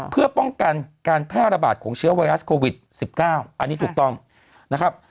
เพื่อป้องกันการแพร่ระบาดของเชื้อไวรัสโควิด๑๙อันนี้ถูกต้องนะครับ